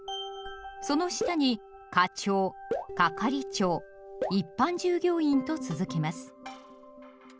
その下に「課長」「係長」「一般従業員」と続きます。